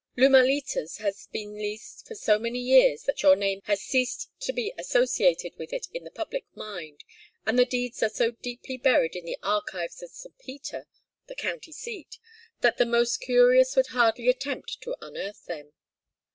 Lumalitas has been leased for so many years that your name has ceased to be associated with it in the public mind, and the deeds are so deeply buried in the archives of St. Peter the county seat that the most curious would hardly attempt to unearth them.